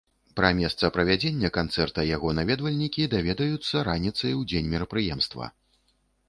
Пра месца правядзення канцэрта яго наведвальнікі даведаюцца раніцай у дзень мерапрыемства.